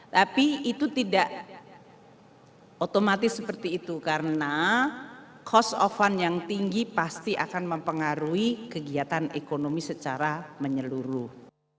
tapi itu tidak otomatis seperti itu karena cost of fund yang tinggi pasti akan mempengaruhi kegiatan ekonomi secara menyeluruh